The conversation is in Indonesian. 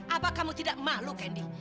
apa kamu tidak malu candy